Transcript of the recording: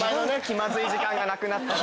気まずい時間がなくなった。